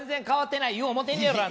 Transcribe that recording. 変わってないよ。